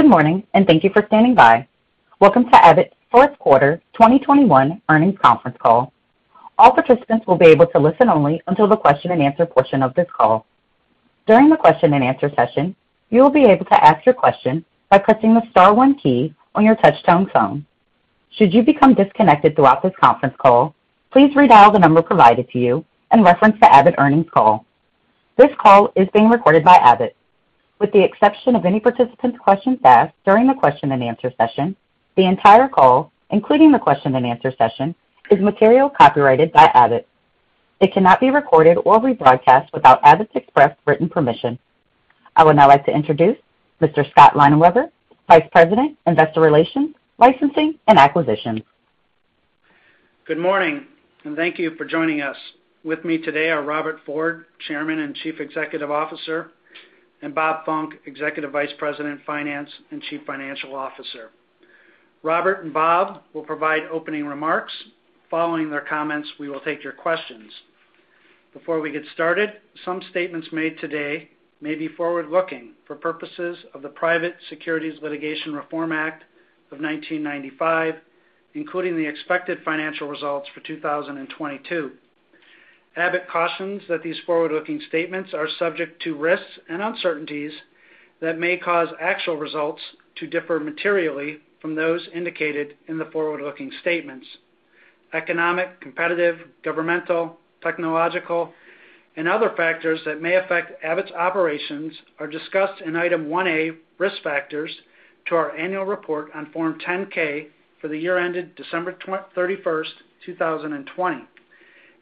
Good morning, and thank you for standing by. Welcome to Abbott's fourth quarter 2021 earnings conference call. All participants will be able to listen only until the question-and-answer portion of this call. During the question-and-answer session, you will be able to ask your question by pressing the star one key on your touchtone phone. Should you become disconnected throughout this conference call, please redial the number provided to you and reference the Abbott earnings call. This call is being recorded by Abbott. With the exception of any participant questions asked during the question-and-answer session, the entire call, including the question-and-answer session, is material copyrighted by Abbott. It cannot be recorded or rebroadcast without Abbott's express written permission. I would now like to introduce Mr. Scott Leinenweber, Vice President, Investor Relations, Licensing and Acquisitions. Good morning, and thank you for joining us. With me today are Robert Ford, Chairman and Chief Executive Officer, and Bob Funck, Executive Vice President, Finance and Chief Financial Officer. Robert and Bob will provide opening remarks. Following their comments, we will take your questions. Before we get started, some statements made today may be forward-looking for purposes of the Private Securities Litigation Reform Act of 1995, including the expected financial results for 2022. Abbott cautions that these forward-looking statements are subject to risks and uncertainties that may cause actual results to differ materially from those indicated in the forward-looking statements. Economic, competitive, governmental, technological, and other factors that may affect Abbott's operations are discussed in Item 1A, Risk Factors, to our annual report on Form 10-K for the year ended December 31, 2020.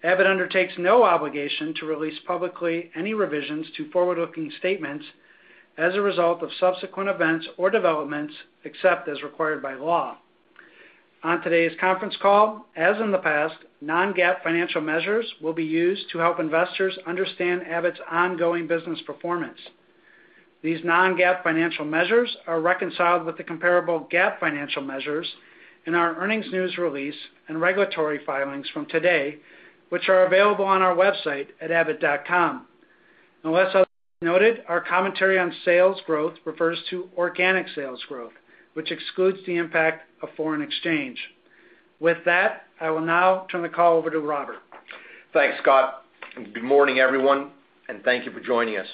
Abbott undertakes no obligation to release publicly any revisions to forward-looking statements as a result of subsequent events or developments, except as required by law. On today's conference call, as in the past, non-GAAP financial measures will be used to help investors understand Abbott's ongoing business performance. These non-GAAP financial measures are reconciled with the comparable GAAP financial measures in our earnings news release and regulatory filings from today, which are available on our website at abbott.com. Unless noted, our commentary on sales growth refers to organic sales growth, which excludes the impact of foreign exchange. With that, I will now turn the call over to Robert. Thanks, Scott, and good morning, everyone, and thank you for joining us.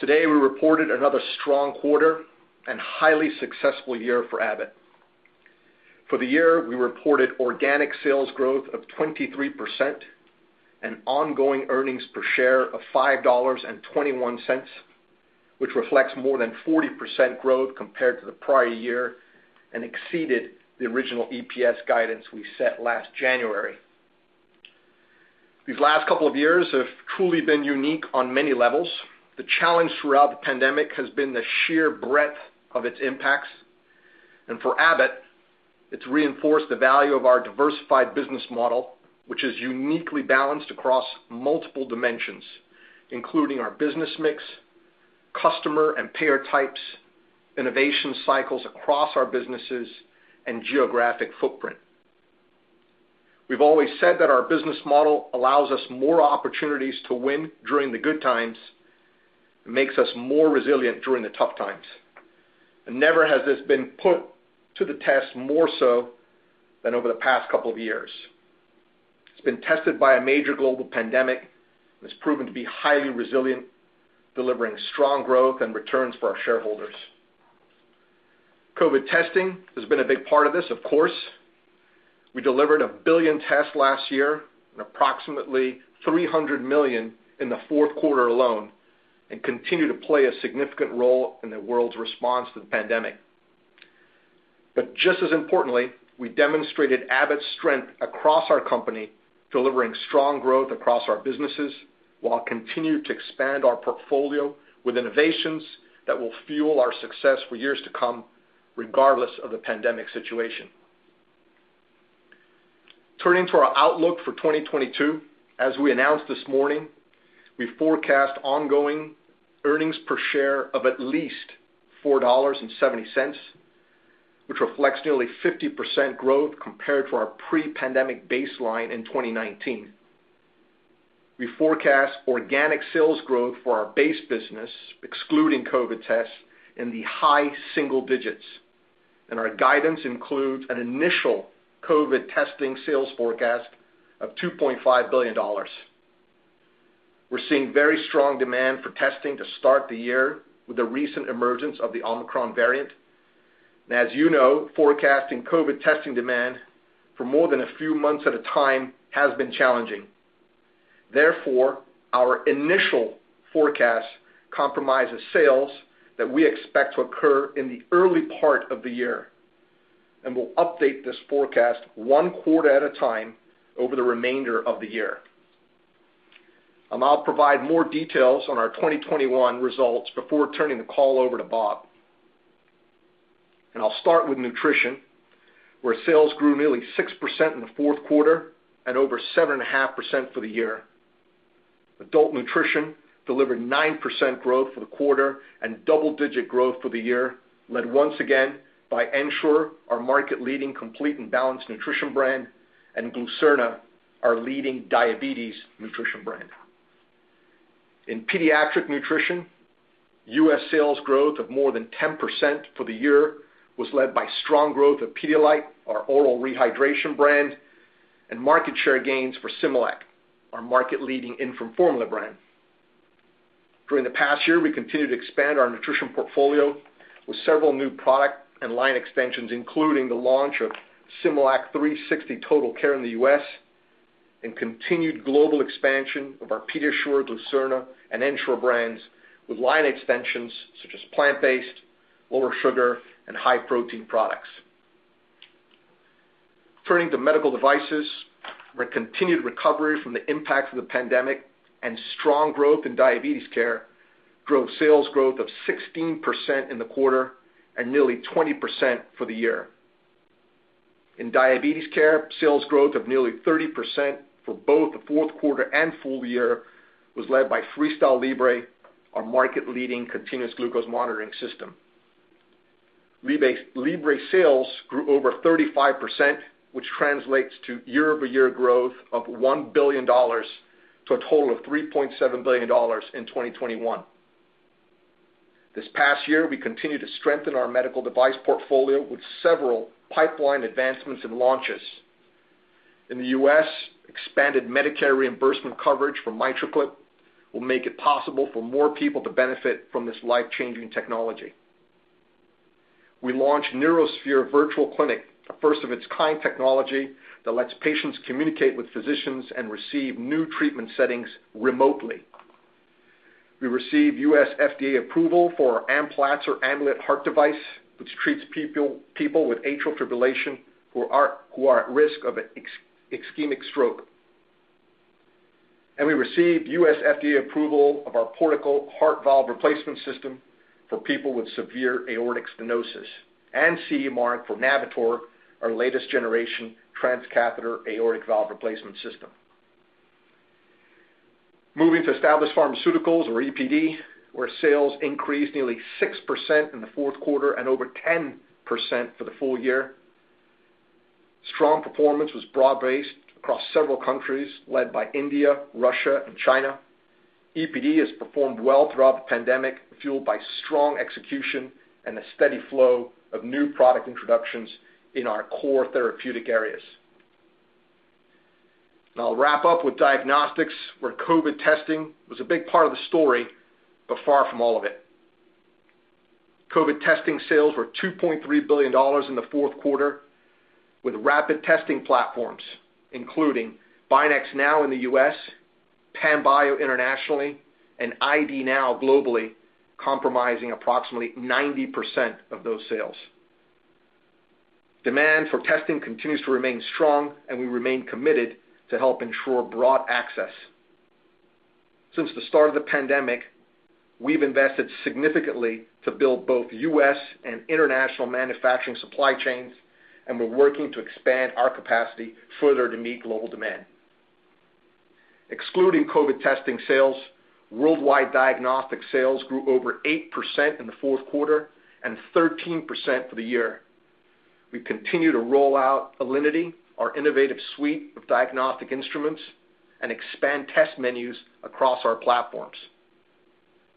Today, we reported another strong quarter and highly successful year for Abbott. For the year, we reported organic sales growth of 23% and ongoing earnings per share of $5.21, which reflects more than 40% growth compared to the prior year and exceeded the original EPS guidance we set last January. These last couple of years have truly been unique on many levels. The challenge throughout the pandemic has been the sheer breadth of its impacts. For Abbott, it's reinforced the value of our diversified business model, which is uniquely balanced across multiple dimensions, including our business mix, customer and payer types, innovation cycles across our businesses, and geographic footprint. We've always said that our business model allows us more opportunities to win during the good times and makes us more resilient during the tough times. Never has this been put to the test more so than over the past couple of years. It's been tested by a major global pandemic. It's proven to be highly resilient, delivering strong growth and returns for our shareholders. COVID testing has been a big part of this, of course. We delivered one billion tests last year and approximately 300 million in the fourth quarter alone and continue to play a significant role in the world's response to the pandemic. Just as importantly, we demonstrated Abbott's strength across our company, delivering strong growth across our businesses while continuing to expand our portfolio with innovations that will fuel our success for years to come, regardless of the pandemic situation. Turning to our outlook for 2022, as we announced this morning, we forecast ongoing earnings per share of at least $4.70, which reflects nearly 50% growth compared to our pre-pandemic baseline in 2019. We forecast organic sales growth for our base business, excluding COVID tests, in the high single digits, and our guidance includes an initial COVID testing sales forecast of $2.5 billion. We're seeing very strong demand for testing to start the year with the recent emergence of the Omicron variant. As you know, forecasting COVID testing demand for more than a few months at a time has been challenging. Therefore, our initial forecast comprises sales that we expect to occur in the early part of the year, and we'll update this forecast one quarter at a time over the remainder of the year. I'll now provide more details on our 2021 results before turning the call over to Bob. I'll start with nutrition, where sales grew nearly 6% in the fourth quarter and over 7.5% for the year. Adult nutrition delivered 9% growth for the quarter and double-digit growth for the year, led once again by Ensure, our market-leading complete and balanced nutrition brand, and Glucerna, our leading diabetes nutrition brand. In pediatric nutrition, U.S. sales growth of more than 10% for the year was led by strong growth of Pedialyte, our oral rehydration brand, and market share gains for Similac, our market-leading infant formula brand. During the past year, we continued to expand our nutrition portfolio with several new product and line extensions, including the launch of Similac 360 Total Care in the U.S. and continued global expansion of our PediaSure, Glucerna, and Enfa brands with line extensions such as plant-based, lower sugar, and high-protein products. Turning to medical devices, our continued recovery from the impacts of the pandemic and strong growth in diabetes care drove sales growth of 16% in the quarter and nearly 20% for the year. In diabetes care, sales growth of nearly 30% for both the fourth quarter and full year was led by FreeStyle Libre, our market-leading continuous glucose monitoring system. Libre sales grew over 35%, which translates to year-over-year growth of $1 billion to a total of $3.7 billion in 2021. This past year, we continued to strengthen our medical device portfolio with several pipeline advancements and launches. In the U.S., expanded Medicare reimbursement coverage for MitraClip will make it possible for more people to benefit from this life-changing technology. We launched NeuroSphere Virtual Clinic, a first-of-its-kind technology that lets patients communicate with physicians and receive new treatment settings remotely. We received U.S. FDA approval for our Amplatzer Amulet heart device, which treats people with atrial fibrillation who are at risk of an ischemic stroke. We received U.S. FDA approval of our Portico heart valve replacement system for people with severe aortic stenosis and CE Mark for Navitor, our latest generation transcatheter aortic valve replacement system. Moving to Established Pharmaceuticals or EPD, where sales increased nearly 6% in the fourth quarter and over 10% for the full year. Strong performance was broad-based across several countries, led by India, Russia, and China. EPD has performed well throughout the pandemic, fueled by strong execution and a steady flow of new product introductions in our core therapeutic areas. Now I'll wrap up with diagnostics, where COVID testing was a big part of the story, but far from all of it. COVID testing sales were $2.3 billion in the fourth quarter, with rapid testing platforms, including BinaxNOW in the U.S., Panbio internationally, and ID NOW globally, comprising approximately 90% of those sales. Demand for testing continues to remain strong, and we remain committed to help ensure broad access. Since the start of the pandemic, we've invested significantly to build both U.S. and international manufacturing supply chains, and we're working to expand our capacity further to meet global demand. Excluding COVID-19 testing sales, worldwide diagnostic sales grew over 8% in the fourth quarter and 13% for the year. We continue to roll out Alinity, our innovative suite of diagnostic instruments, and expand test menus across our platforms.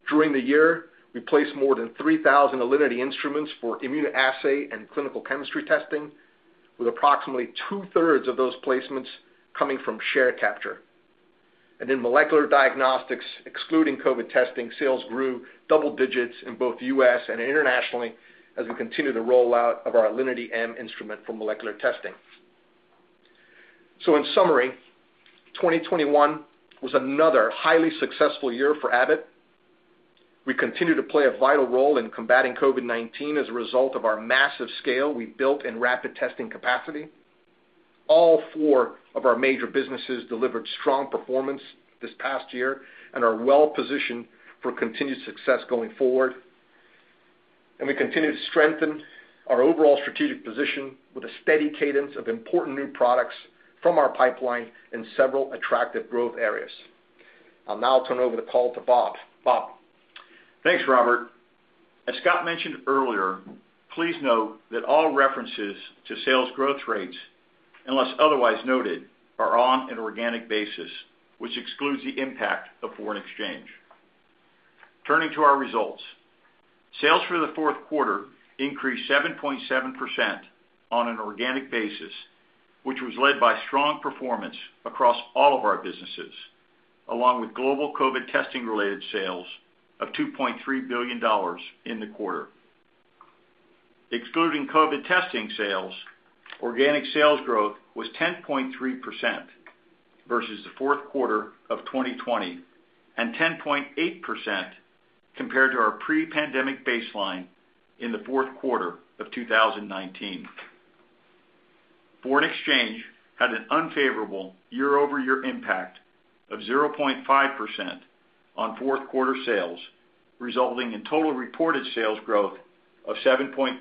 During the year, we placed more than 3,000 Alinity instruments for immunoassay and clinical chemistry testing, with approximately two-thirds of those placements coming from share capture. In molecular diagnostics, excluding COVID-19 testing, sales grew double digits in both U.S. and internationally as we continue to roll out our Alinity m instrument for molecular testing. In summary, 2021 was another highly successful year for Abbott. We continue to play a vital role in combating COVID-19 as a result of our massive scale we built in rapid testing capacity. All four of our major businesses delivered strong performance this past year and are well positioned for continued success going forward. We continue to strengthen our overall strategic position with a steady cadence of important new products from our pipeline in several attractive growth areas. I'll now turn over the call to Bob. Bob? Thanks, Robert. As Scott mentioned earlier, please note that all references to sales growth rates, unless otherwise noted, are on an organic basis, which excludes the impact of foreign exchange. Turning to our results. Sales for the fourth quarter increased 7.7% on an organic basis, which was led by strong performance across all of our businesses, along with global COVID testing-related sales of $2.3 billion in the quarter. Excluding COVID testing sales, organic sales growth was 10.3% versus the fourth quarter of 2020 and 10.8% compared to our pre-pandemic baseline in the fourth quarter of 2019. Foreign exchange had an unfavorable year-over-year impact of 0.5% on fourth quarter sales, resulting in total reported sales growth of 7.2%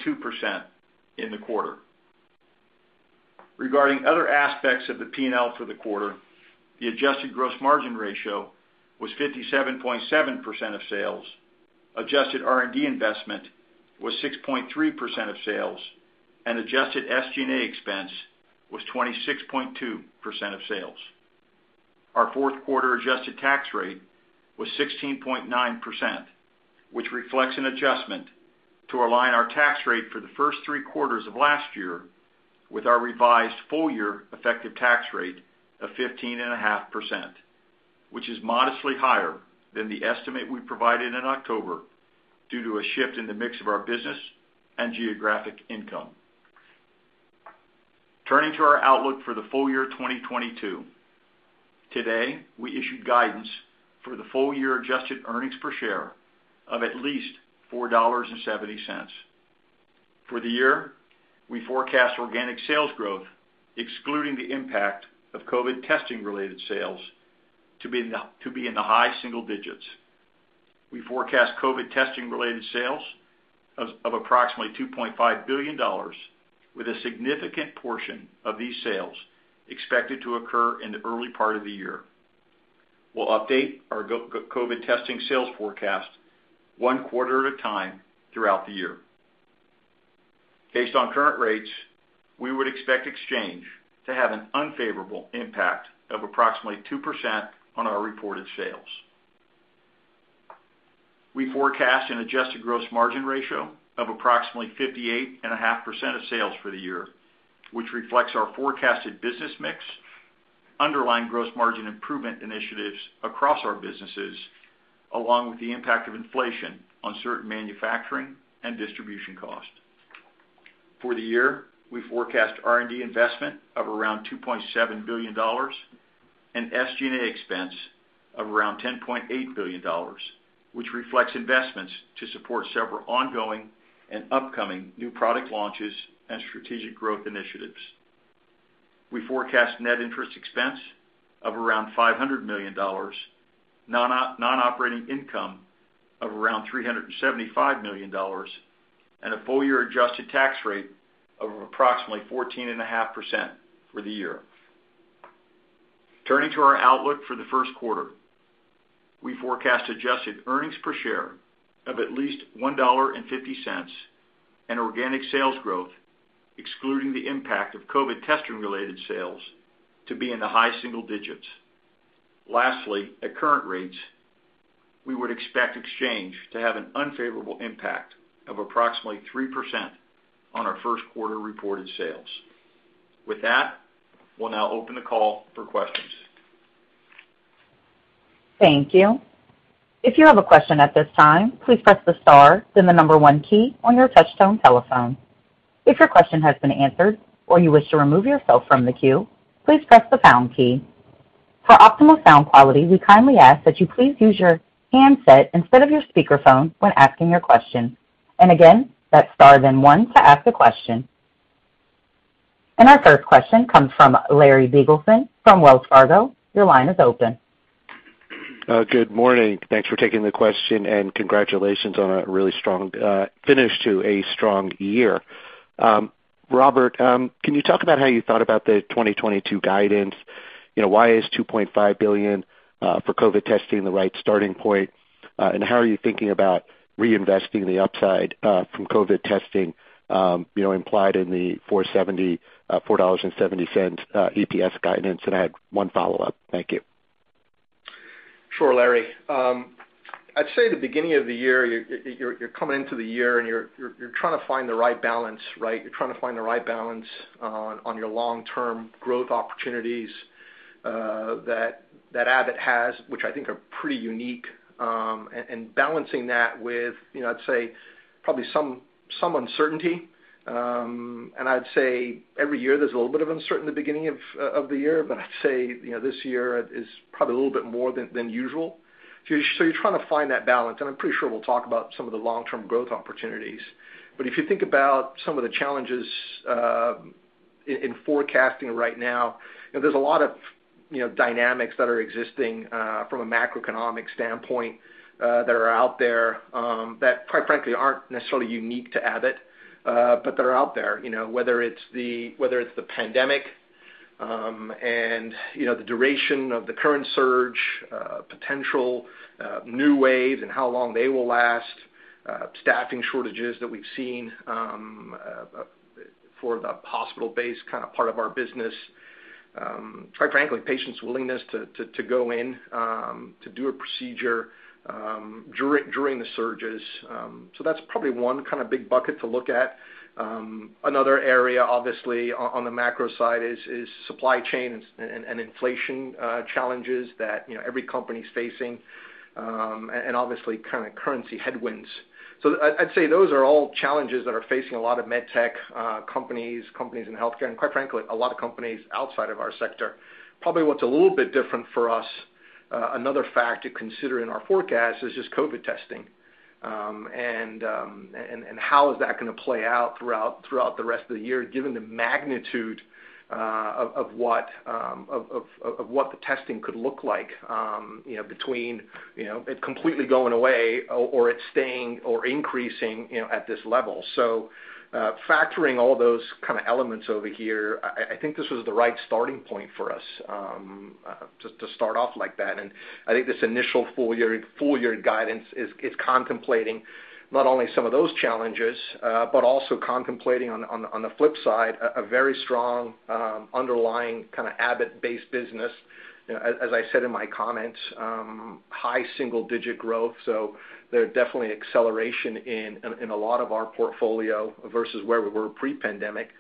in the quarter. Regarding other aspects of the P&L for the quarter. The adjusted gross margin ratio was 57.7% of sales. Adjusted R&D investment was 6.3% of sales, and adjusted SG&A expense was 26.2% of sales. Our fourth quarter adjusted tax rate was 16.9%, which reflects an adjustment to align our tax rate for the first three quarters of last year with our revised full year effective tax rate of 15.5%, which is modestly higher than the estimate we provided in October due to a shift in the mix of our business and geographic income. Turning to our outlook for the full year, 2022. Today, we issued guidance for the full year adjusted earnings per share of at least $4.70. For the year, we forecast organic sales growth, excluding the impact of COVID testing related sales to be in the high single digits. We forecast COVID testing related sales of approximately $2.5 billion with a significant portion of these sales expected to occur in the early part of the year. We'll update our COVID testing sales forecast one quarter at a time throughout the year. Based on current rates, we would expect exchange to have an unfavorable impact of approximately 2% on our reported sales. We forecast an adjusted gross margin ratio of approximately 58.5% of sales for the year, which reflects our forecasted business mix, underlying gross margin improvement initiatives across our businesses, along with the impact of inflation on certain manufacturing and distribution costs. For the year, we forecast R&D investment of around $2.7 billion and SG&A expense of around $10.8 billion, which reflects investments to support several ongoing and upcoming new product launches and strategic growth initiatives. We forecast net interest expense of around $500 million, non-operating income of around $375 million, and a full year adjusted tax rate of approximately 14.5% for the year. Turning to our outlook for the first quarter. We forecast adjusted earnings per share of at least $1.50, and organic sales growth, excluding the impact of COVID testing related sales, to be in the high single digits. Lastly, at current rates, we would expect exchange to have an unfavorable impact of approximately 3% on our first quarter reported sales. With that, we'll now open the call for questions. Our first question comes from Larry Biegelsen from Wells Fargo. Your line is open. Good morning. Thanks for taking the question, and congratulations on a really strong finish to a strong year. Robert, can you talk about how you thought about the 2022 guidance? You know, why is $2.5 billion for COVID testing the right starting point? And how are you thinking about reinvesting the upside from COVID testing, you know, implied in the $4.70 EPS guidance? I had one follow-up. Thank you. Sure, Larry. I'd say the beginning of the year, you're coming into the year and you're trying to find the right balance, right? You're trying to find the right balance on your long-term growth opportunities that Abbott has, which I think are pretty unique, and balancing that with, you know, I'd say probably some uncertainty. I'd say every year there's a little bit of uncertainty in the beginning of the year. I'd say, you know, this year is probably a little bit more than usual. You're trying to find that balance, and I'm pretty sure we'll talk about some of the long-term growth opportunities. If you think about some of the challenges in forecasting right now, you know, there's a lot of, you know, dynamics that are existing from a macroeconomic standpoint that are out there that quite frankly aren't necessarily unique to Abbott, but that are out there, you know. Whether it's the pandemic and you know, the duration of the current surge, potential new waves and how long they will last, staffing shortages that we've seen for the hospital-based kind of part of our business, quite frankly, patients' willingness to go in to do a procedure during the surges. That's probably one kind of big bucket to look at. Another area obviously on the macro side is supply chain and inflation challenges that, you know, every company is facing, and obviously kind of currency headwinds. I'd say those are all challenges that are facing a lot of medtech companies in healthcare, and quite frankly, a lot of companies outside of our sector. Probably what's a little bit different for us, another factor to consider in our forecast is just COVID testing. how is that gonna play out throughout the rest of the year, given the magnitude of what the testing could look like, you know, between, you know, it completely going away or it staying or increasing, you know, at this level. So, factoring all those kind of elements over here, I think this was the right starting point for us to start off like that. I think this initial full year guidance is contemplating not only some of those challenges, but also contemplating on the flip side, a very strong underlying kind of Abbott based business. You know, as I said in my comments, high single digit growth. There are definitely acceleration in a lot of our portfolio versus where we were pre-pandemic.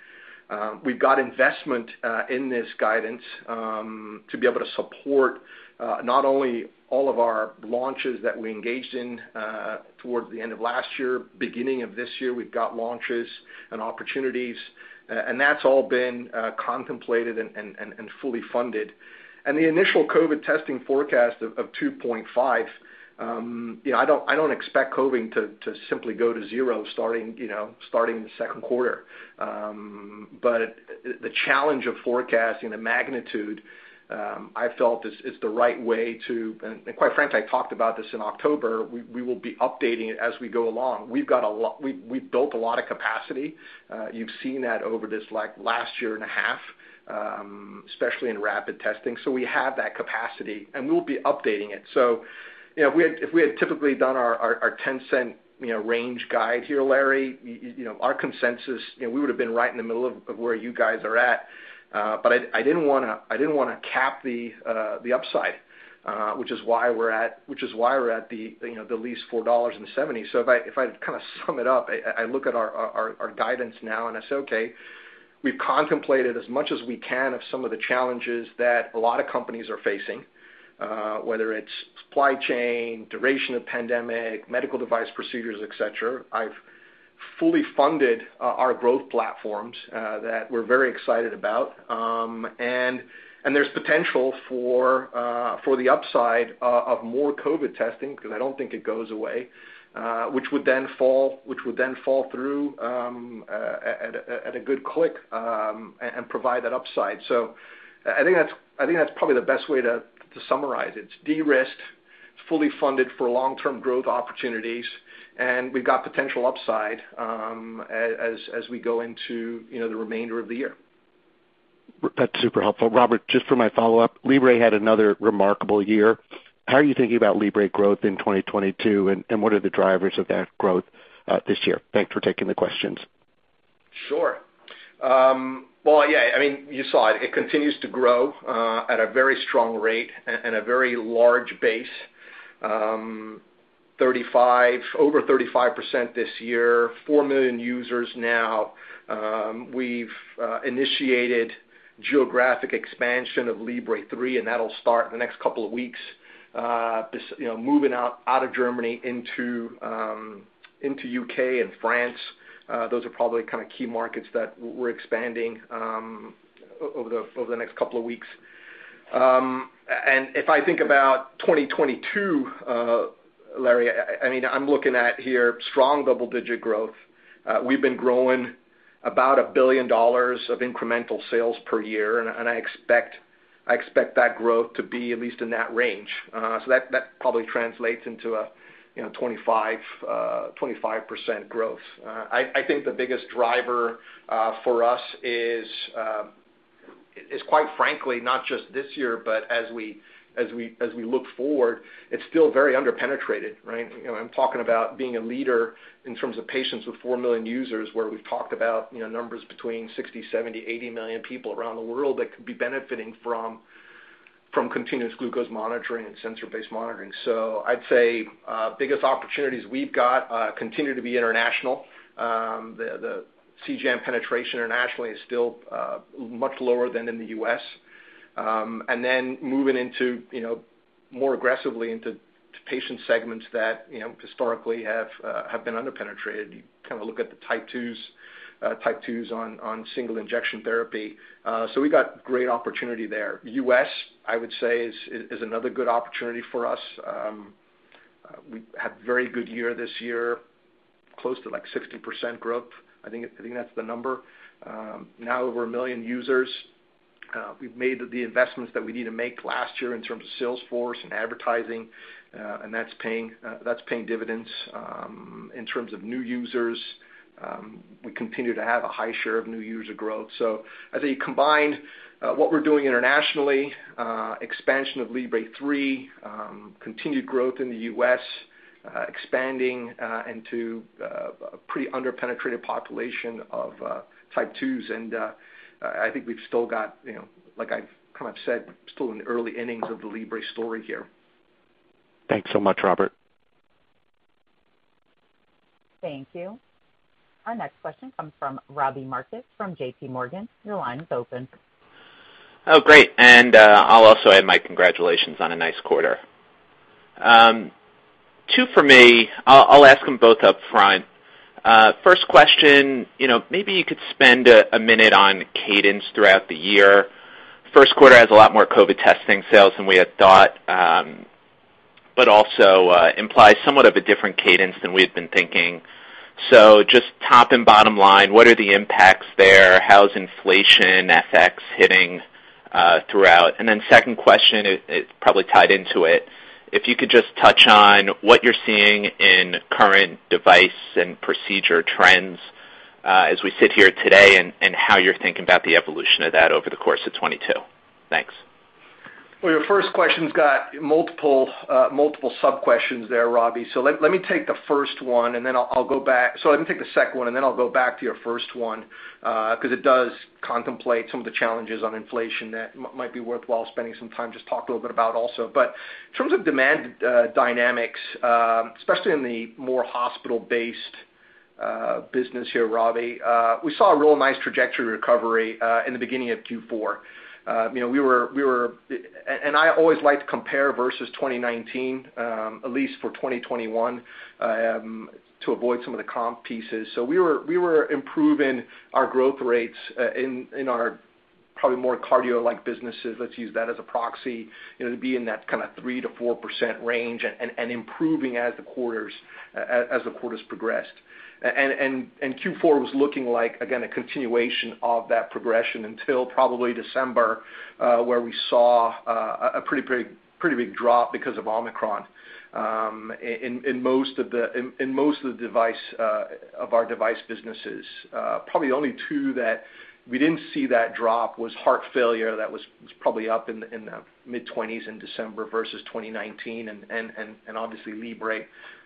We've got investment in this guidance to be able to support not only all of our launches that we engaged in towards the end of last year, beginning of this year. We've got launches and opportunities, and that's all been contemplated and fully funded. The initial COVID testing forecast of 2.5, you know, I don't expect COVID to simply go to zero starting the second quarter. The challenge of forecasting the magnitude I felt is the right way to. Quite frankly, I talked about this in October. We will be updating it as we go along. We've built a lot of capacity. You've seen that over this like last year and a half, especially in rapid testing. We have that capacity, and we'll be updating it. You know, if we had typically done our 10-cent range guide here, Larry, you know, our consensus, you know, we would've been right in the middle of where you guys are at. I didn't wanna cap the upside, which is why we're at the you know at least $4.70. If I kind of sum it up, I look at our guidance now and I say, okay, we've contemplated as much as we can of some of the challenges that a lot of companies are facing, whether it's supply chain, duration of pandemic, medical device procedures, et cetera. I've fully funded our growth platforms that we're very excited about. There's potential for the upside of more COVID testing, 'cause I don't think it goes away, which would then fall through at a good clip, and provide that upside. I think that's probably the best way to summarize it. It's de-risked, fully funded for long-term growth opportunities, and we've got potential upside, as we go into, you know, the remainder of the year. That's super helpful. Robert, just for my follow-up, Libre had another remarkable year. How are you thinking about Libre growth in 2022, and what are the drivers of that growth this year? Thanks for taking the questions. Sure. Well, yeah, I mean, you saw it. It continues to grow at a very strong rate and a very large base. Over 35% this year, four million users now. We've initiated geographic expansion of Libre 3, and that'll start in the next couple of weeks. This, you know, moving out of Germany into the U.K. and France, those are probably kind of key markets that we're expanding over the next couple of weeks. If I think about 2022, Larry, I mean, I'm looking at here strong double-digit growth. We've been growing about $1 billion of incremental sales per year, and I expect that growth to be at least in that range. That probably translates into, you know, 25% growth. I think the biggest driver for us is quite frankly not just this year, but as we look forward, it's still very underpenetrated, right? You know, I'm talking about being a leader in terms of patients with four million users where we've talked about, you know, numbers between 60 million, 70 million, 80 million people around the world that could be benefiting from continuous glucose monitoring and sensor-based monitoring. I'd say biggest opportunities we've got continue to be international. The CGM penetration internationally is still much lower than in the U.S. Then moving into, you know, more aggressively into patient segments that, you know, historically have been underpenetrated. You kind of look at the type twos, type twos on single injection therapy. We got great opportunity there. U.S., I would say is another good opportunity for us. We had a very good year this year, close to like 60% growth. I think that's the number. Now over 1 million users, we've made the investments that we need to make last year in terms of sales force and advertising, and that's paying dividends. In terms of new users, we continue to have a high share of new user growth. I think combined, what we're doing internationally, expansion of Libre 3, continued growth in the U.S., expanding into a pretty underpenetrated population of type twos. I think we've still got, you know, like I've kind of said, still in the early innings of the Libre story here. Thanks so much, Robert. Thank you. Our next question comes from Robbie Marcus from JPMorgan. Your line is open. Oh, great. I'll also add my congratulations on a nice quarter. Two for me. I'll ask them both upfront. First question, you know, maybe you could spend a minute on cadence throughout the year. First quarter has a lot more COVID testing sales than we had thought, but also implies somewhat of a different cadence than we had been thinking. Just top and bottom line, what are the impacts there? How's inflation FX hitting throughout? Second question is probably tied into it, if you could just touch on what you're seeing in current device and procedure trends, as we sit here today, and how you're thinking about the evolution of that over the course of 2022. Thanks. Well, your first question's got multiple sub-questions there, Robbie, so let me take the first one, and then I'll go back. Let me take the second one, and then I'll go back to your first one, 'cause it does contemplate some of the challenges on inflation that might be worthwhile spending some time just talk a little bit about also. But in terms of demand dynamics, especially in the more hospital-based business here, Robbie, we saw a real nice trajectory recovery in the beginning of Q4. You know, we were improving our growth rates in our probably more cardio-like businesses. Let's use that as a proxy. You know, to be in that kinda 3%-4% range and improving as the quarters progressed. Q4 was looking like, again, a continuation of that progression until probably December, where we saw a pretty big drop because of Omicron in most of our device businesses. Probably only two that we didn't see that drop was heart failure, that was probably up in the mid-20s% in December versus 2019, and obviously Libre,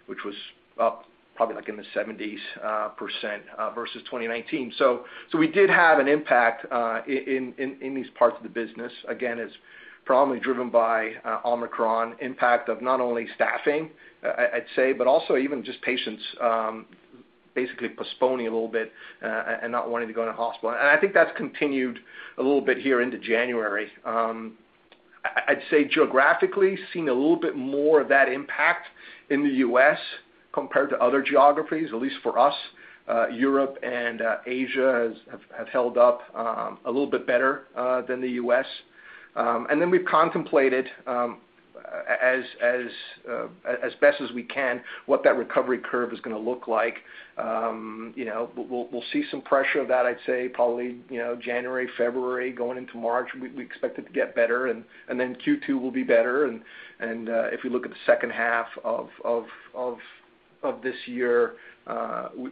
which was up probably like in the 70s% versus 2019. We did have an impact in these parts of the business. Again, it is probably driven by Omicron impact of not only staffing, I'd say, but also even just patients basically postponing a little bit and not wanting to go into hospital. I think that's continued a little bit here into January. I'd say geographically, seeing a little bit more of that impact in the U.S. compared to other geographies, at least for us. Europe and Asia have held up a little bit better than the U.S. Then we've contemplated as best as we can what that recovery curve is gonna look like. You know, we'll see some pressure of that, I'd say probably, you know, January, February, going into March. We expect it to get better and then Q2 will be better. If you look at the second half of this year,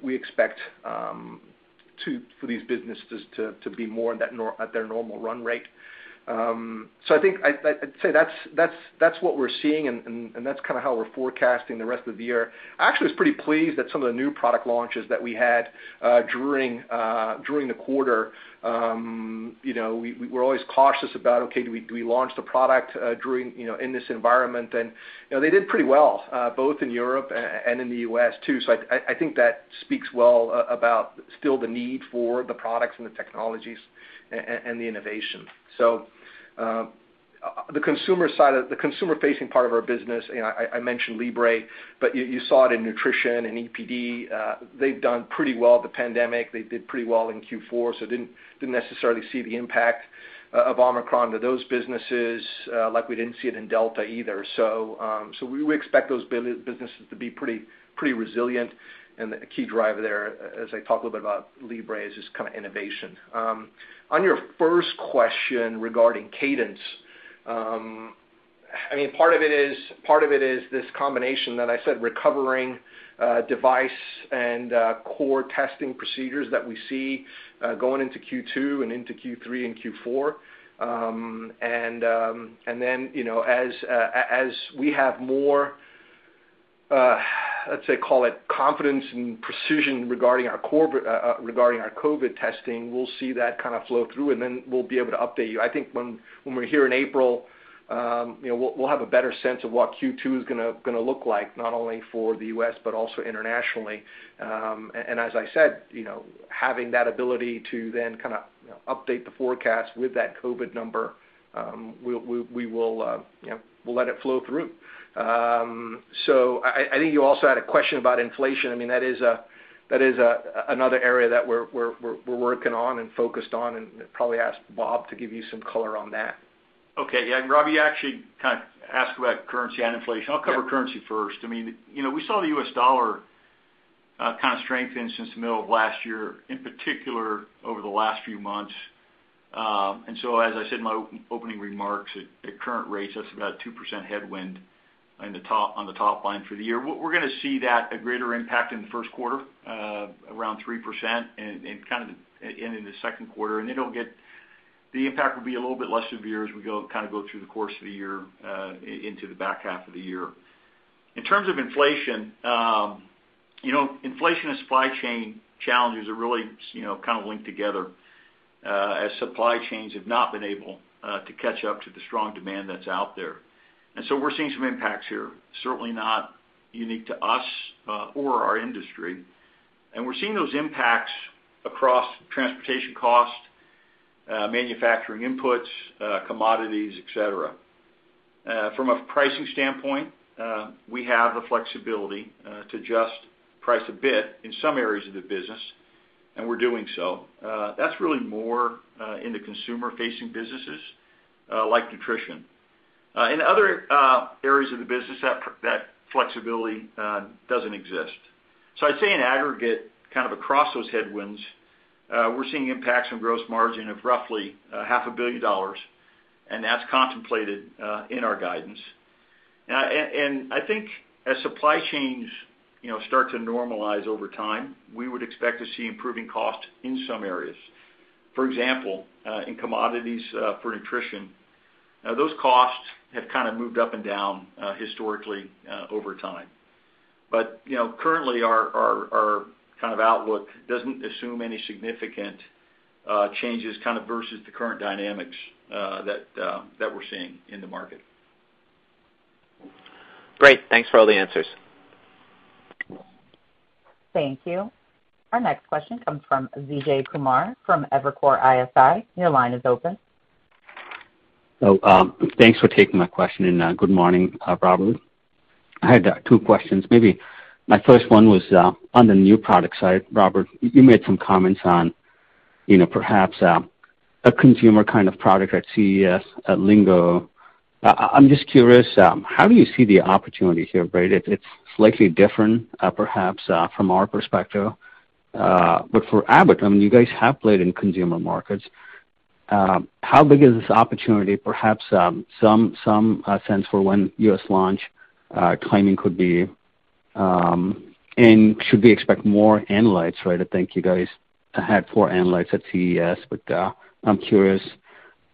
we expect for these businesses to be more in that, at their normal run rate. So I think I'd say that's what we're seeing and that's kinda how we're forecasting the rest of the year. Actually, I was pretty pleased that some of the new product launches that we had during the quarter, you know, we're always cautious about, okay, do we launch the product during, you know, in this environment? You know, they did pretty well both in Europe and in the U.S. too. I think that speaks well about still the need for the products and the technologies and the innovation. The consumer side of the consumer-facing part of our business, you know, I mentioned Libre, but you saw it in nutrition and EPD. They've done pretty well with the pandemic. They did pretty well in Q4, didn't necessarily see the impact of Omicron to those businesses, like we didn't see it in Delta either. We expect those businesses to be pretty resilient. The key driver there, as I talk a little bit about Libre, is just kinda innovation. On your first question regarding cadence, I mean, part of it is this combination that I said recovering device and core testing procedures that we see going into Q2 and into Q3 and Q4. And then, you know, as we have more, let's say, call it confidence and precision regarding our COVID testing, we'll see that kinda flow through, and then we'll be able to update you. I think when we're here in April, you know, we'll have a better sense of what Q2 is gonna look like, not only for the U.S., but also internationally. As I said, you know, having that ability to then kinda, you know, update the forecast with that COVID number, we'll let it flow through. I think you also had a question about inflation. I mean, that is another area that we're working on and focused on and probably ask Bob to give you some color on that. Okay. Yeah, Robbie actually kind of asked about currency and inflation. I'll cover currency first. I mean, you know, we saw the U.S. dollar kind of strengthen since the middle of last year, in particular over the last few months. As I said in my opening remarks, at current rates, that's about 2% headwind on the top line for the year. We're gonna see that, a greater impact in the first quarter, around 3% and kind of in the second quarter. The impact will be a little bit less severe as we go kind of through the course of the year into the back half of the year. In terms of inflation, you know, inflation and supply chain challenges are really, you know, kind of linked together, as supply chains have not been able to catch up to the strong demand that's out there. We're seeing some impacts here, certainly not unique to us or our industry. We're seeing those impacts across transportation cost- Manufacturing inputs, commodities, et cetera. From a pricing standpoint, we have the flexibility to adjust price a bit in some areas of the business, and we're doing so. That's really more in the consumer-facing businesses, like nutrition. In other areas of the business that flexibility doesn't exist. I'd say in aggregate, kind of across those headwinds, we're seeing impacts on gross margin of roughly half a billion dollars, and that's contemplated in our guidance. And I think as supply chains, you know, start to normalize over time, we would expect to see improving cost in some areas. For example, in commodities, for nutrition, those costs have kind of moved up and down, historically, over time. You know, currently our kind of outlook doesn't assume any significant changes kind of versus the current dynamics that we're seeing in the market. Great. Thanks for all the answers. Thank you. Our next question comes from Vijay Kumar from Evercore ISI. Your line is open. Thanks for taking my question, and good morning, Robert. I had two questions. Maybe my first one was on the new product side. Robert, you made some comments on, you know, perhaps, a consumer kind of product at CES, at Lingo. I'm just curious, how do you see the opportunity here, right? It's slightly different, perhaps, from our perspective. For Abbott, I mean, you guys have played in consumer markets. How big is this opportunity, perhaps, some sense for when U.S. launch, timing could be? Should we expect more analytes, right? I think you guys had four analytes at CES, but I'm curious,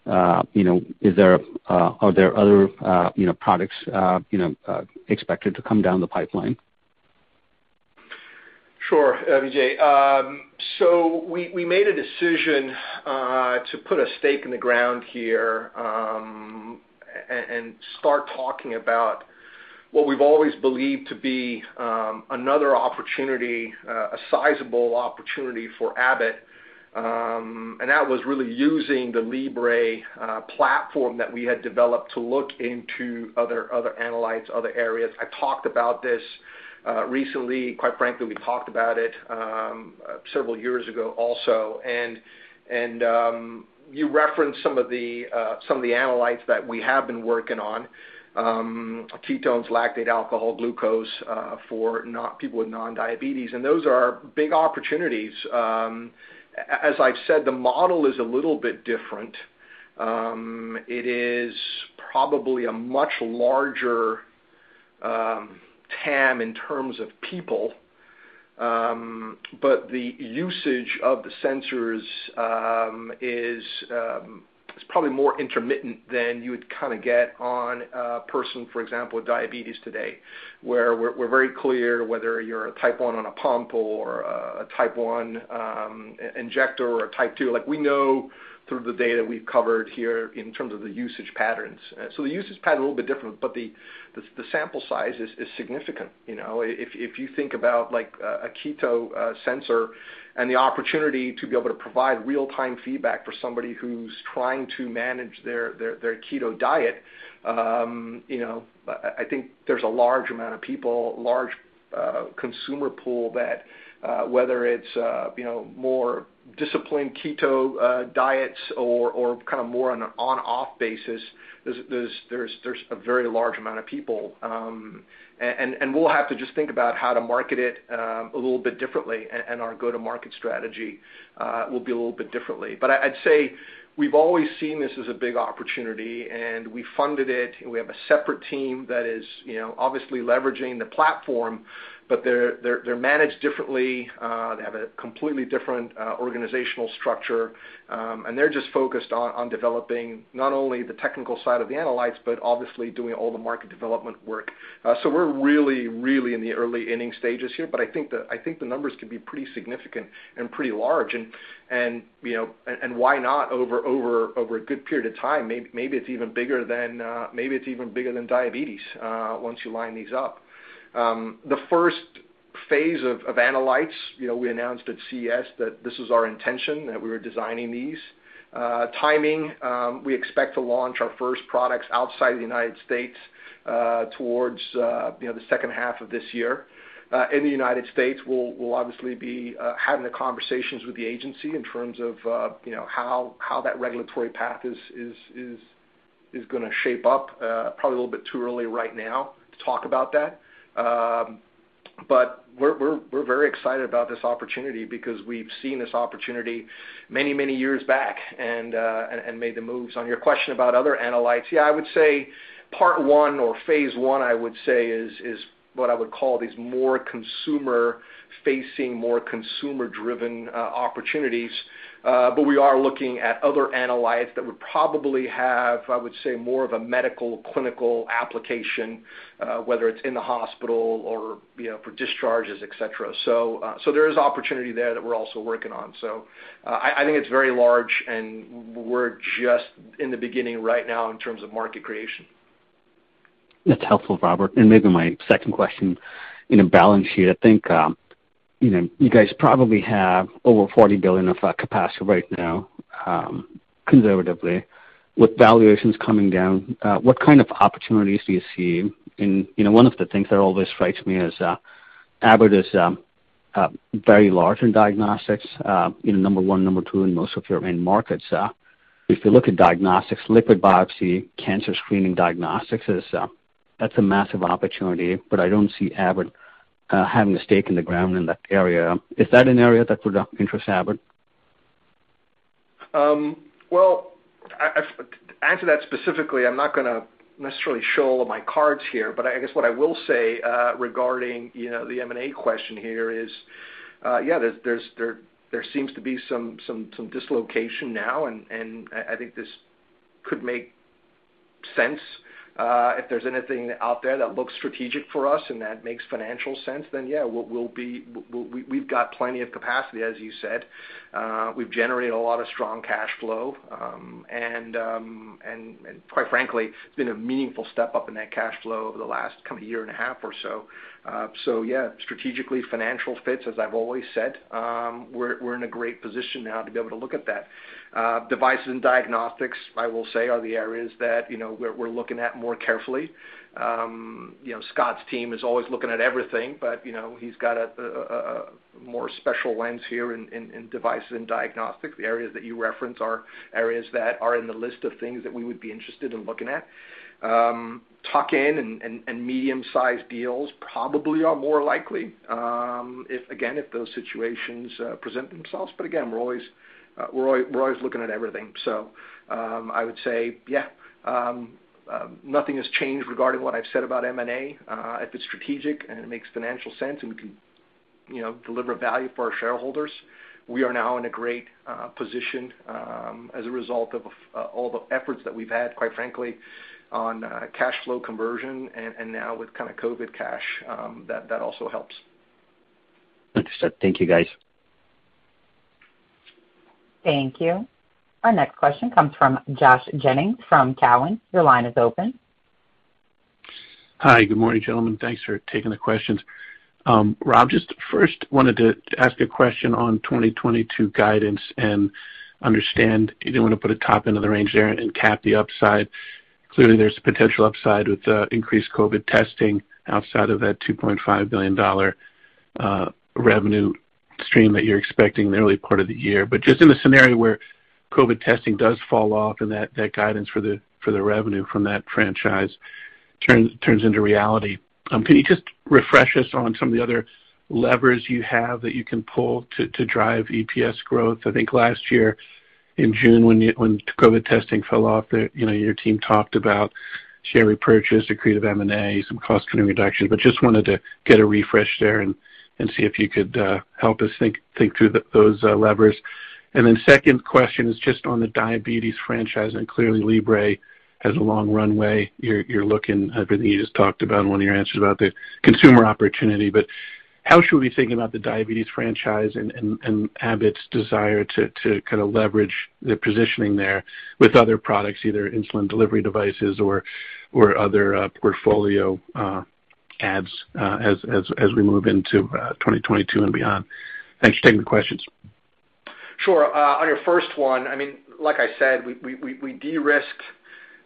you know, is there, are there other, you know, products, you know, expected to come down the pipeline? Sure, Vijay. We made a decision to put a stake in the ground here and start talking about what we've always believed to be another opportunity, a sizable opportunity for Abbott. That was really using the Libre platform that we had developed to look into other analytes, other areas. I talked about this recently. Quite frankly, we talked about it several years ago also. You referenced some of the analytes that we have been working on, ketones, lactate, alcohol, glucose for people with non-diabetes, and those are big opportunities. As I've said, the model is a little bit different. It is probably a much larger TAM in terms of people. The usage of the sensors is probably more intermittent than you would kind of get on a person, for example, with diabetes today, where we're very clear whether you're a Type 1 on a pump or a Type 1 injector or a Type 2. Like, we know through the data we've covered here in terms of the usage patterns. The usage pattern is a little bit different, but the sample size is significant. You know, if you think about, like, a keto sensor and the opportunity to be able to provide real-time feedback for somebody who's trying to manage their keto diet, you know, I think there's a large amount of people, large consumer pool that, whether it's, you know, more disciplined keto diets or kind of more on an on/off basis, there's a very large amount of people. We'll have to just think about how to market it a little bit differently, and our go-to-market strategy will be a little bit differently. I'd say we've always seen this as a big opportunity, and we funded it. We have a separate team that is, you know, obviously leveraging the platform, but they're managed differently. They have a completely different organizational structure, and they're just focused on developing not only the technical side of the analytes, but obviously doing all the market development work. We're really in the early inning stages here, but I think the numbers can be pretty significant and pretty large. You know why not over a good period of time? Maybe it's even bigger than diabetes once you line these up. The first phase of analytes, you know, we announced at CES that this was our intention, that we were designing these. The timing, we expect to launch our first products outside the United States towards the second half of this year. In the U.S., we'll obviously be having the conversations with the agency in terms of, you know, how that regulatory path is gonna shape up. Probably a little bit too early right now to talk about that. We're very excited about this opportunity because we've seen this opportunity many years back and made the moves. On your question about other analytes, yeah, I would say part one or phase one is what I would call these more consumer-facing, more consumer-driven opportunities. We are looking at other analytes that would probably have, I would say, more of a medical, clinical application, whether it's in the hospital or, you know, for discharges, et cetera. There is opportunity there that we're also working on. I think it's very large, and we're just in the beginning right now in terms of market creation. That's helpful, Robert. Maybe my second question on the balance sheet, I think, you know, you guys probably have over $40 billion of capacity right now, conservatively. With valuations coming down, what kind of opportunities do you see in. You know, one of the things that always strikes me as Abbott is very large in diagnostics, you know, number one, number two in most of your main markets. If you look at diagnostics, liquid biopsy, cancer screening diagnostics is. That's a massive opportunity, but I don't see Abbott having a stake in the ground in that area. Is that an area that would interest Abbott? Well, to answer that specifically, I'm not gonna necessarily show all of my cards here, but I guess what I will say, regarding, you know, the M&A question here is, yeah, there seems to be some dislocation now, and I think this could make sense. If there's anything out there that looks strategic for us and that makes financial sense, then yeah, we'll be. We've got plenty of capacity, as you said. We've generated a lot of strong cash flow, and quite frankly, it's been a meaningful step up in that cash flow over the last kind of year and a half or so. So yeah, strategically financial fits, as I've always said, we're in a great position now to be able to look at that. Devices and diagnostics, I will say, are the areas that, you know, we're looking at more carefully. You know, Scott's team is always looking at everything, but, you know, he's got a more special lens here in devices and diagnostics. The areas that you reference are areas that are in the list of things that we would be interested in looking at. Tuck-in and medium-sized deals probably are more likely, if, again, if those situations present themselves. Again, we're always looking at everything. I would say, yeah, nothing has changed regarding what I've said about M&A. If it's strategic and it makes financial sense and we can, you know, deliver value for our shareholders, we are now in a great position as a result of all the efforts that we've had, quite frankly, on cash flow conversion and now with kind of COVID cash that also helps. Understood. Thank you, guys. Thank you. Our next question comes from Josh Jennings from TD Cowen. Your line is open. Hi. Good morning, gentlemen. Thanks for taking the questions. Rob, just first wanted to ask a question on 2022 guidance and understand you didn't want to put a top end of the range there and cap the upside. Clearly, there's potential upside with increased COVID testing outside of that $2.5 billion revenue stream that you're expecting in the early part of the year. Just in the scenario where COVID testing does fall off and that guidance for the revenue from that franchise turns into reality, can you just refresh us on some of the other levers you have that you can pull to drive EPS growth? I think last year in June when COVID testing fell off, you know, your team talked about share repurchase, accretive M&A, some cost-cutting reductions. Just wanted to get a refresh there and see if you could help us think through those levers. Then second question is just on the diabetes franchise, and clearly Libre has a long runway. You're looking, I believe you just talked about in one of your answers about the consumer opportunity. How should we be thinking about the diabetes franchise and Abbott's desire to kind of leverage the positioning there with other products, either insulin delivery devices or other portfolio adds as we move into 2022 and beyond? Thanks for taking the questions. Sure. On your first one, I mean, like I said, we de-risked,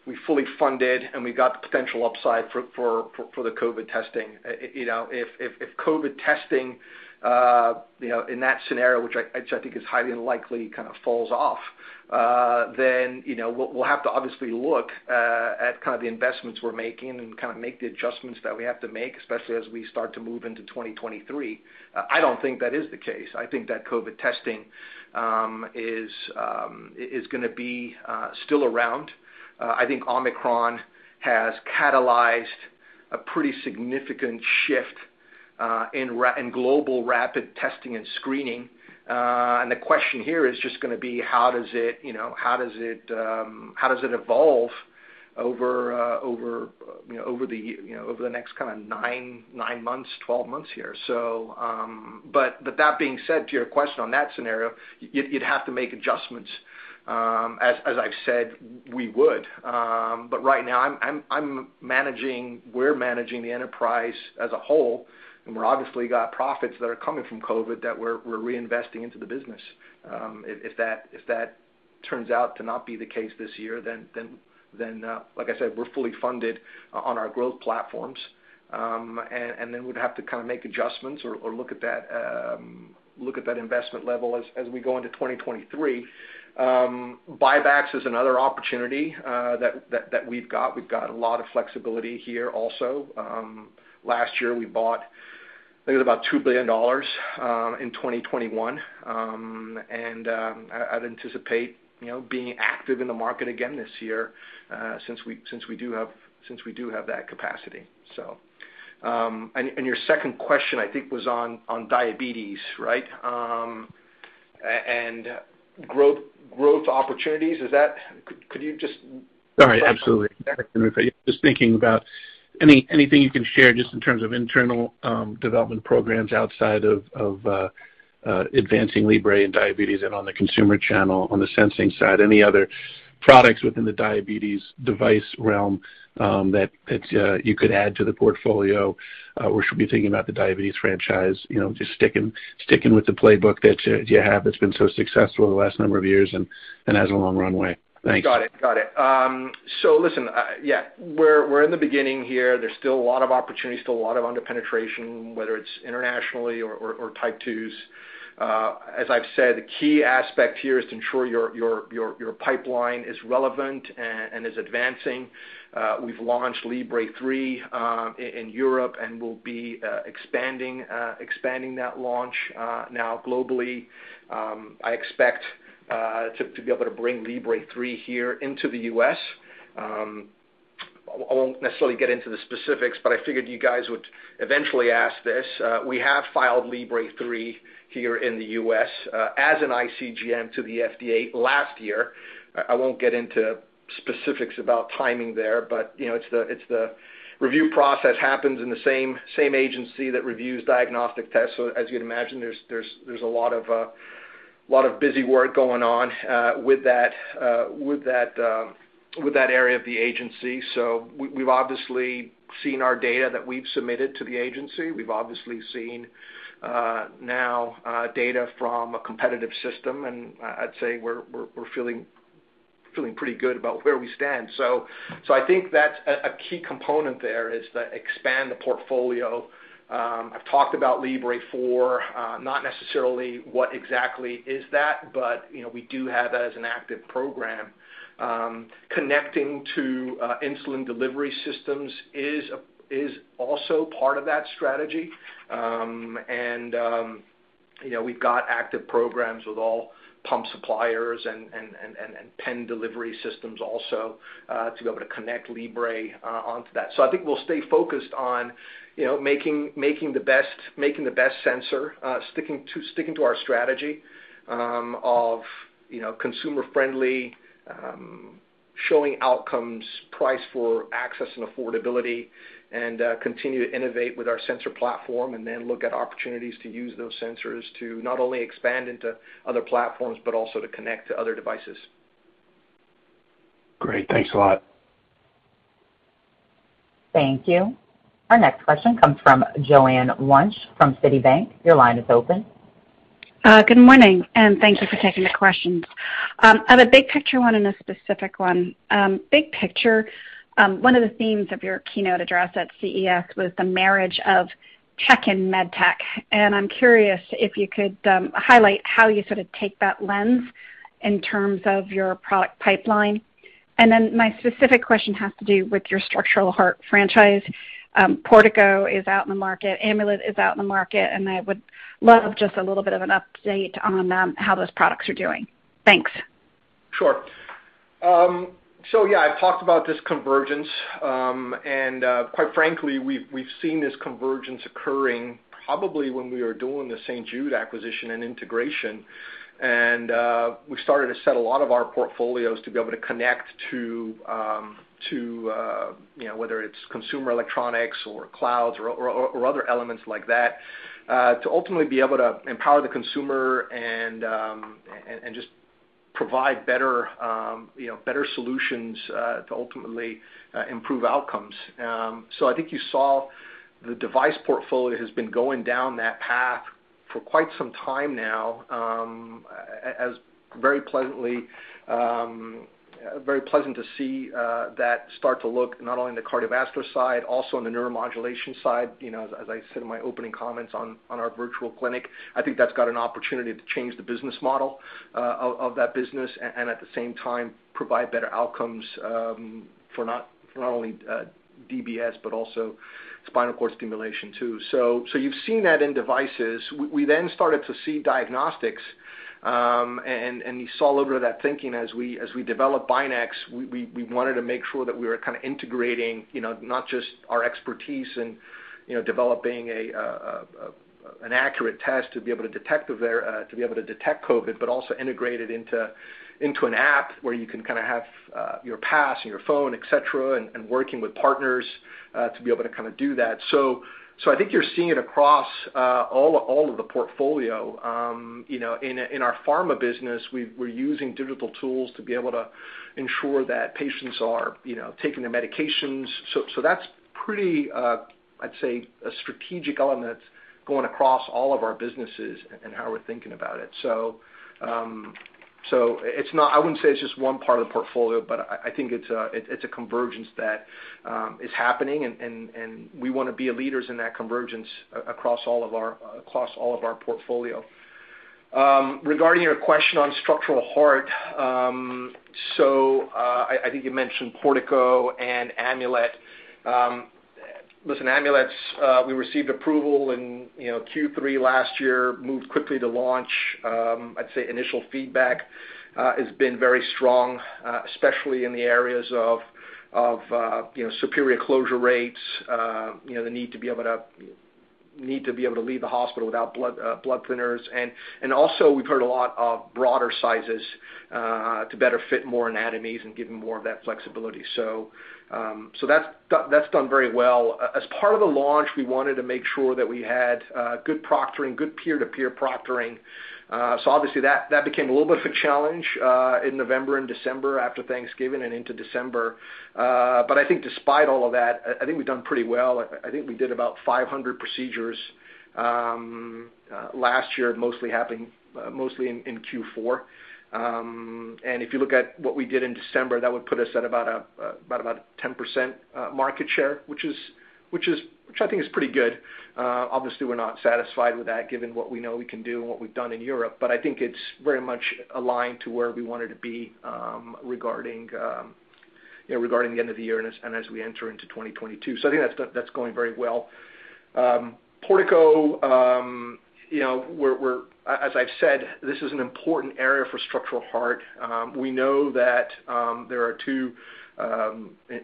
we fully funded, and we got the potential upside for the COVID testing. You know, if COVID testing, you know, in that scenario, which I think is highly unlikely, kind of falls off, then, you know, we'll have to obviously look at kind of the investments we're making and kind of make the adjustments that we have to make, especially as we start to move into 2023. I don't think that is the case. I think that COVID testing is gonna be still around. I think Omicron has catalyzed a pretty significant shift in global rapid testing and screening. The question here is just gonna be how does it evolve over the next kind of nine months, 12 months here? That being said, to your question on that scenario, you'd have to make adjustments as I've said we would. Right now, we're managing the enterprise as a whole, and we're obviously got profits that are coming from COVID that we're reinvesting into the business. If that turns out to not be the case this year, then, like I said, we're fully funded on our growth platforms, and then we'd have to kind of make adjustments or look at that investment level as we go into 2023. Buybacks is another opportunity that we've got. We've got a lot of flexibility here also. Last year, we bought, I think it was about $2 billion in 2021. I'd anticipate, you know, being active in the market again this year, since we do have that capacity. Your second question, I think, was on diabetes, right? And growth opportunities, is that? Could you just- Sorry. Absolutely. Yeah. Just thinking about anything you can share just in terms of internal development programs outside of advancing Libre in diabetes and on the consumer channel, on the sensing side, any other products within the diabetes device realm that you could add to the portfolio or should be thinking about the diabetes franchise, you know, just sticking with the playbook that you have that's been so successful the last number of years and has a long runway. Thanks. Got it. Listen, yeah, we're in the beginning here. There's still a lot of opportunity, still a lot of under-penetration, whether it's internationally or type twos. As I've said, the key aspect here is to ensure your pipeline is relevant and is advancing. We've launched Libre 3 in Europe, and we'll be expanding that launch now globally. I expect to be able to bring Libre 3 here into the U.S. I won't necessarily get into the specifics, but I figured you guys would eventually ask this. We have filed Libre 3 here in the U.S. as an ICGM to the FDA last year. I won't get into specifics about timing there, but you know, it's the review process happens in the same agency that reviews diagnostic tests. As you'd imagine, there's a lot of busy work going on with that area of the agency. We've obviously seen our data that we've submitted to the agency. We've obviously seen now data from a competitive system, and I'd say we're feeling pretty good about where we stand. I think that's a key component there is to expand the portfolio. I've talked about Libre 4, not necessarily what exactly is that, but you know, we do have that as an active program. Connecting to insulin delivery systems is also part of that strategy. You know, we've got active programs with all pump suppliers and pen delivery systems also to be able to connect Libre onto that. I think we'll stay focused on you know making the best sensor sticking to our strategy of you know consumer friendly showing outcomes price for access and affordability and continue to innovate with our sensor platform and then look at opportunities to use those sensors to not only expand into other platforms but also to connect to other devices. Great. Thanks a lot. Thank you. Our next question comes from Joanne Wuensch from Citi. Your line is open. Good morning, and thank you for taking the questions. I have a big picture one and a specific one. Big picture, one of the themes of your keynote address at CES was the marriage of tech and med tech, and I'm curious if you could highlight how you sort of take that lens in terms of your product pipeline. My specific question has to do with your structural heart franchise. Portico is out in the market, Amulet is out in the market, and I would love just a little bit of an update on how those products are doing. Thanks. Sure. Yeah, I've talked about this convergence, and quite frankly, we've seen this convergence occurring probably when we were doing the St. Jude acquisition and integration. We started to set a lot of our portfolios to be able to connect to, you know, whether it's consumer electronics or clouds or other elements like that, to ultimately be able to empower the consumer and just provide better, you know, better solutions, to ultimately improve outcomes. I think you saw the device portfolio has been going down that path for quite some time now, as very pleasant to see that start to look not only in the cardiovascular side, also in the neuromodulation side. You know, as I said in my opening comments on our virtual clinic, I think that's got an opportunity to change the business model of that business and at the same time, provide better outcomes for not only DBS, but also spinal cord stimulation too. You've seen that in devices. We then started to see diagnostics, and you saw a little bit of that thinking as we developed Binax. We wanted to make sure that we were kind of integrating, you know, not just our expertise in, you know, developing an accurate test to be able to detect COVID, but also integrate it into an app where you can kind of have your pass and your phone, et cetera, and working with partners to be able to kind of do that. I think you're seeing it across all of the portfolio. You know, in our pharma business, we're using digital tools to be able to ensure that patients are, you know, taking their medications. That's pretty, I'd say a strategic element going across all of our businesses and how we're thinking about it. It's not—I wouldn't say it's just one part of the portfolio, but I think it's a convergence that is happening and we wanna be leaders in that convergence across all of our portfolio. Regarding your question on structural heart, I think you mentioned Portico and Amulet. Listen, Amulet, we received approval in Q3 last year, moved quickly to launch. I'd say initial feedback has been very strong, especially in the areas of superior closure rates, the need to be able to leave the hospital without blood thinners. Also we've heard a lot of broader sizes to better fit more anatomies and give them more of that flexibility. That's done very well. As part of the launch, we wanted to make sure that we had good proctoring, good peer-to-peer proctoring. Obviously that became a little bit of a challenge in November and December, after Thanksgiving and into December. I think despite all of that, I think we've done pretty well. I think we did about 500 procedures last year, mostly in Q4. If you look at what we did in December, that would put us at about 10% market share, which I think is pretty good. Obviously we're not satisfied with that given what we know we can do and what we've done in Europe, but I think it's very much aligned to where we wanted to be, regarding, you know, regarding the end of the year and as we enter into 2022. I think that's going very well. Portico, you know, we're, as I've said, this is an important area for structural heart. We know that there are two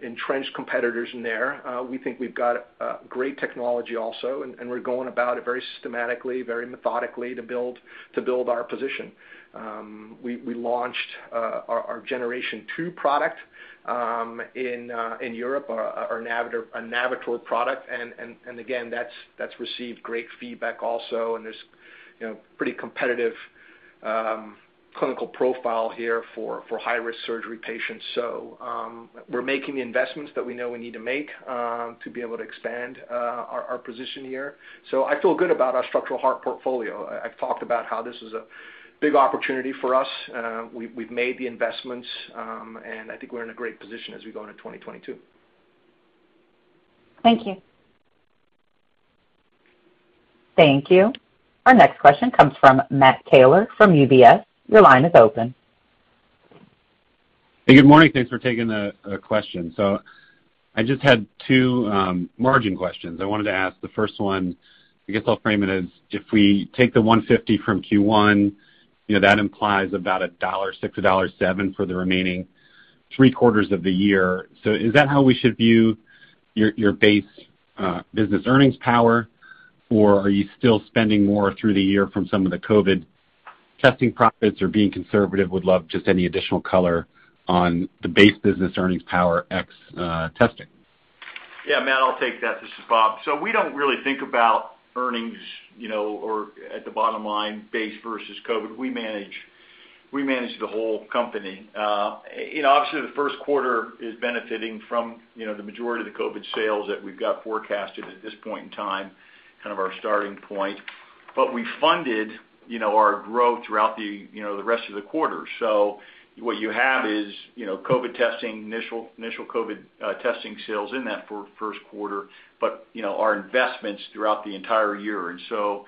entrenched competitors in there. We think we've got great technology also, and we're going about it very systematically, very methodically to build our position. We launched our generation two product in Europe, our Navitor product and again, that's received great feedback also, and there's you know, pretty competitive clinical profile here for high-risk surgery patients. We're making the investments that we know we need to make to be able to expand our position here. I feel good about our structural heart portfolio. I've talked about how this is a big opportunity for us. We've made the investments and I think we're in a great position as we go into 2022. Thank you. Thank you. Our next question comes from Matt Taylor from UBS. Your line is open. Hey, good morning. Thanks for taking the question. I just had two margin questions. I wanted to ask the first one, I guess I'll frame it as if we take the $1.50 from Q1, you know, that implies about $1.06, $1.07 for the remaining three quarters of the year. Is that how we should view your base business earnings power, or are you still spending more through the year from some of the COVID testing profits or being conservative? Would love just any additional color on the base business earnings power ex testing. Yeah, Matt, I'll take that. This is Bob. We don't really think about earnings, you know, or at the bottom line, base versus COVID. We manage the whole company. You know, obviously, the first quarter is benefiting from, you know, the majority of the COVID sales that we've got forecasted at this point in time, kind of our starting point. We funded, you know, our growth throughout the, you know, the rest of the quarter. What you have is, you know, COVID testing, initial COVID testing sales in that first quarter, but, you know, our investments throughout the entire year. You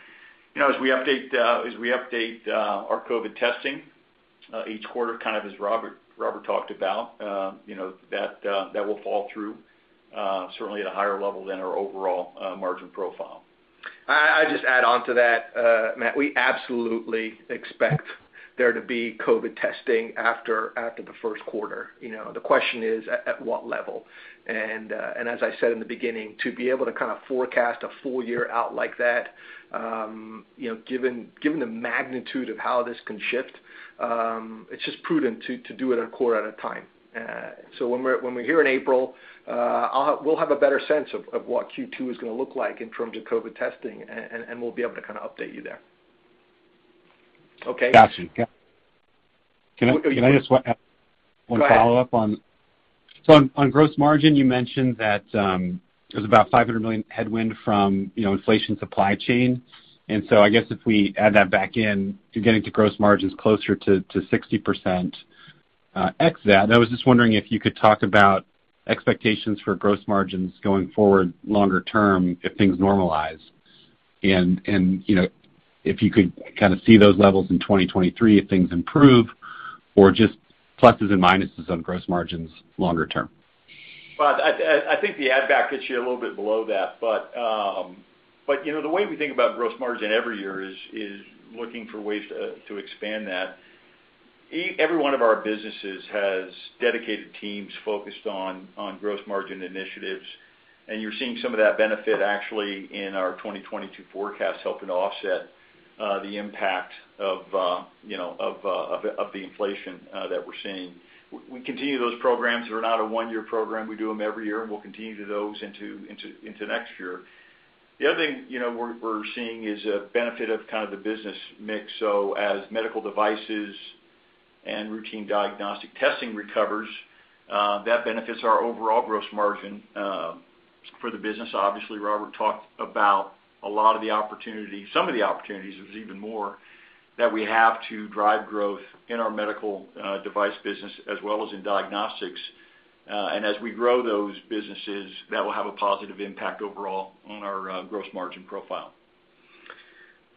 know, as we update our COVID-19 testing each quarter, kind of as Robert talked about, you know, that will flow through certainly at a higher level than our overall margin profile. I just add onto that, Matt, we absolutely expect there to be COVID testing after the first quarter. You know, the question is at what level? As I said in the beginning, to be able to kind of forecast a full year out like that, you know, given the magnitude of how this can shift, it's just prudent to do it a quarter at a time. When we're here in April, we'll have a better sense of what Q2 is gonna look like in terms of COVID testing, and we'll be able to kind of update you there. Okay? Got you. Can I just Go ahead. One follow-up on gross margin. You mentioned that there's about $500 million headwind from, you know, inflation supply chain. I guess if we add that back in to getting to gross margins closer to 60% ex that. I was just wondering if you could talk about expectations for gross margins going forward longer term if things normalize. You know, if you could kind of see those levels in 2023 if things improve or just pluses and minuses on gross margins longer term. I think the add back gets you a little bit below that. You know, the way we think about gross margin every year is looking for ways to expand that. Every one of our businesses has dedicated teams focused on gross margin initiatives, and you're seeing some of that benefit actually in our 2022 forecast helping to offset the impact of the inflation that we're seeing. We continue those programs. They're not a one-year program. We do them every year, and we'll continue to do those into next year. The other thing you know, we're seeing is a benefit of kind of the business mix. As medical devices and routine diagnostic testing recovers, that benefits our overall gross margin for the business. Obviously, Robert talked about a lot of the opportunity, some of the opportunities. There's even more that we have to drive growth in our medical device business as well as in diagnostics. As we grow those businesses, that will have a positive impact overall on our gross margin profile.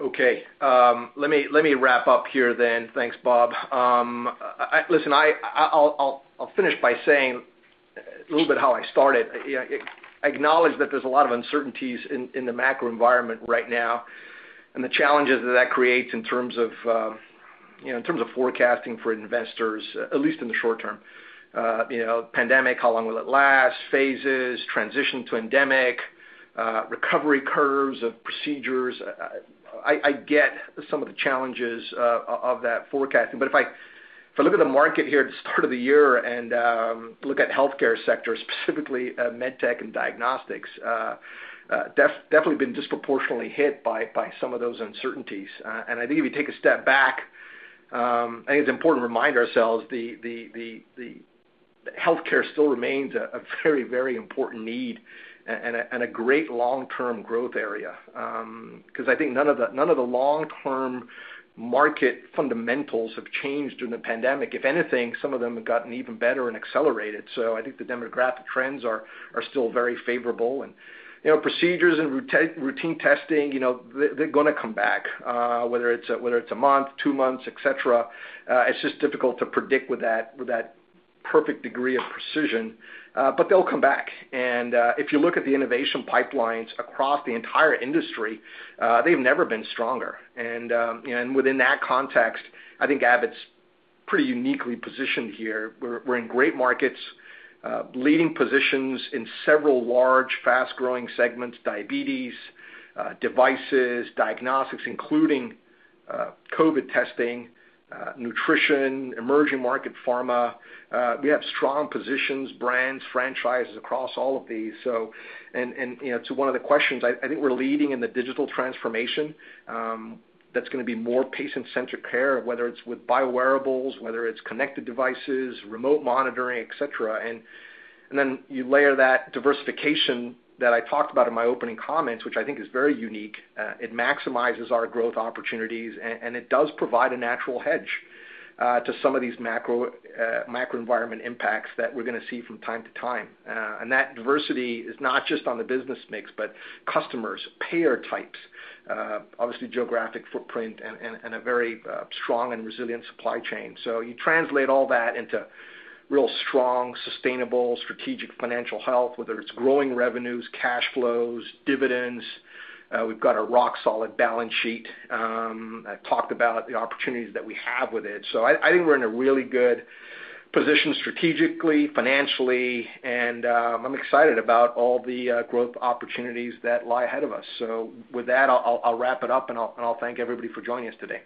Okay. Let me wrap up here then. Thanks, Bob. Listen, I'll finish by saying a little bit how I started. You know, I acknowledge that there's a lot of uncertainties in the macro environment right now and the challenges that creates in terms of, you know, in terms of forecasting for investors, at least in the short term. You know, pandemic, how long will it last? Phases, transition to endemic, recovery curves of procedures. I get some of the challenges of that forecasting. If I look at the market here at the start of the year and look at healthcare sector, specifically, med tech and diagnostics, definitely been disproportionately hit by some of those uncertainties. I think if you take a step back, I think it's important to remind ourselves the healthcare still remains a very important need and a great long-term growth area. 'Cause I think none of the long-term market fundamentals have changed during the pandemic. If anything, some of them have gotten even better and accelerated. So I think the demographic trends are still very favorable and, you know, procedures and routine testing, you know, they're gonna come back, whether it's a month, two months, et cetera. It's just difficult to predict with that perfect degree of precision, but they'll come back. If you look at the innovation pipelines across the entire industry, they've never been stronger. Within that context, I think Abbott's pretty uniquely positioned here. We're in great markets, leading positions in several large, fast-growing segments, diabetes, devices, diagnostics, including COVID testing, nutrition, emerging market pharma. We have strong positions, brands, franchises across all of these. You know, to one of the questions, I think we're leading in the digital transformation, that's gonna be more patient-centric care, whether it's with biowearables, whether it's connected devices, remote monitoring, et cetera. You layer that diversification that I talked about in my opening comments, which I think is very unique, it maximizes our growth opportunities and it does provide a natural hedge to some of these macro environment impacts that we're gonna see from time to time. That diversity is not just on the business mix, but customers, payer types, obviously geographic footprint and a very strong and resilient supply chain. You translate all that into real strong, sustainable, strategic financial health, whether it's growing revenues, cash flows, dividends, we've got a rock solid balance sheet. I talked about the opportunities that we have with it. I think we're in a really good position strategically, financially, and I'm excited about all the growth opportunities that lie ahead of us. With that, I'll wrap it up, and I'll thank everybody for joining us today.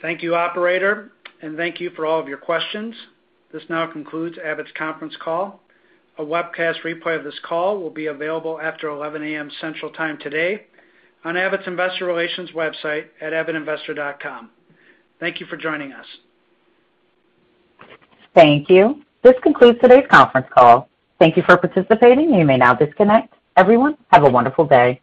Thank you, operator, and thank you for all of your questions. This now concludes Abbott's conference call. A webcast replay of this call will be available after 11 A.M. Central Time today on Abbott's investor relations website at abbottinvestor.com. Thank you for joining us. Thank you. This concludes today's conference call. Thank you for participating. You may now disconnect. Everyone, have a wonderful day.